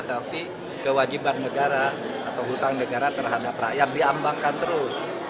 tapi kewajiban negara atau hutang negara terhadap rakyat diambangkan terus